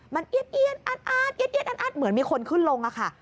มันอี๊ดอัดเหมือนมีคนขึ้นลงค่ะ